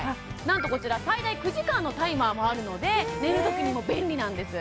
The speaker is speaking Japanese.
なんとこちら最大９時間のタイマーもあるので寝るときにも便利なんです